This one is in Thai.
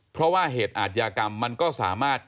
เพราะว่าเหตุอาทยากรรมมันก็สามารถ